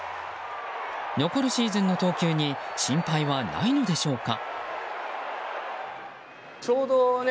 残るシーズンの投球に心配はないのでしょうか。